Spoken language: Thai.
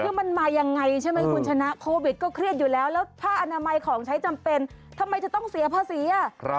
คือมันมายังไงใช่ไหมคุณชนะโควิดก็เครียดอยู่แล้วแล้วผ้าอนามัยของใช้จำเป็นทำไมจะต้องเสียภาษี